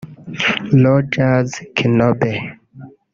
Rogers Kinobe